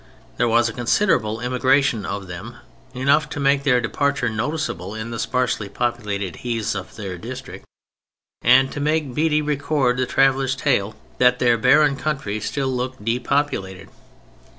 There was a considerable immigration of them; enough to make their departure noticeable in the sparsely populated heaths of their district, and to make Bede record the traveler's tale that their barren country still looked "depopulated."